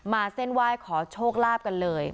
เส้นไหว้ขอโชคลาภกันเลย